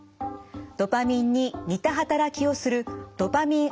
ドパミンに似た働きをするドパミン